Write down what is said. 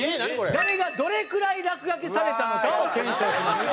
誰がどれくらい落書きされたのかを検証しました。